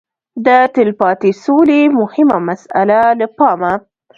د تلپاتې سولې مهمه مساله له پامه